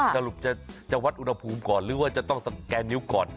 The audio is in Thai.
สรุปจะวัดอุณหภูมิก่อนหรือว่าจะต้องสแกนนิ้วก่อน